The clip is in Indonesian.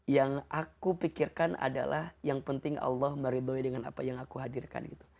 yang aku pikirkan adalah yang penting allah meridhoi dengan apa yang aku hadirkan